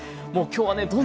もう今日はね